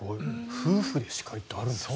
夫婦で司会ってあるんですね。